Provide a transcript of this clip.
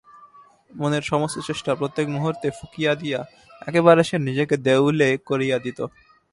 মনের সমস্ত চেষ্টা প্রত্যেক মুহূর্তে ফুঁকিয়া দিয়া একেবারে সে নিজেকে দেউলে করিয়া দিত।